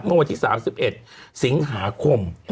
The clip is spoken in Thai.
เมื่อวันที่๓๑สิงหาคม